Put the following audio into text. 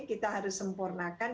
kita harus sempurnakan